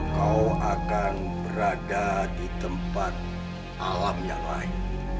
kau akan berada di tempat alam yang lain